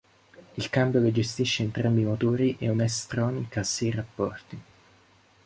Il cambio che gestisce entrambi i motori è un S tronic a sei rapporti.